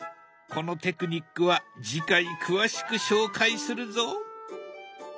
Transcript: このテクニックは次回詳しく紹介するぞ。